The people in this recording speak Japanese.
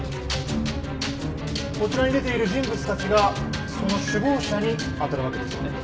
こちらに出ている人物たちがその首謀者に当たるわけですよね？